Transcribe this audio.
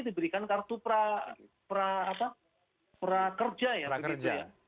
diberikan kartu prakerja ya